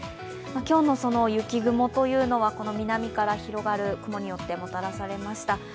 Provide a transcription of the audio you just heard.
今日の雪雲というのは、南から広がる雲によってもたらされました。